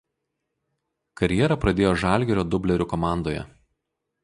Karjerą pradėjo „Žalgirio“ dublerių komandoje.